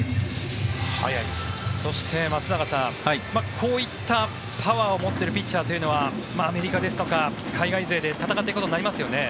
そして、松坂さんこういったパワーを持っているピッチャーというのはアメリカですとか、海外勢で戦っていくことになりますよね。